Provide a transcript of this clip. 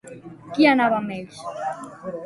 Qui anava amb ells?